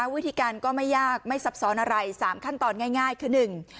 วิธีการก็ไม่ยากไม่ซับซ้อนอะไรสามขั้นตอนง่ายง่ายคือหนึ่ง